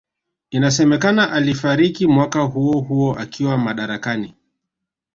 Inasemekana alifariki mwaka huohuo akiwa madarakani